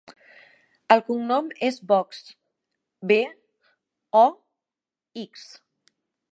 El cognom és Box: be, o, ics.